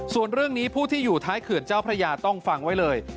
ส่วนเรื่องนี้ผู้ที่อยู่ท้ายเขื่อนเจ้าพระยาต้องฟังไว้เลย